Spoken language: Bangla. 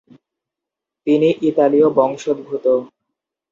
তিনি ইতালীয় বংশোদ্ভূত।